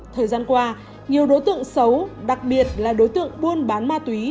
thời gian qua nhiều đối tượng xấu đặc biệt là đối tượng buôn bán ma túy